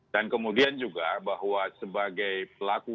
dan kemudian juga bahwa sebagai pemerintah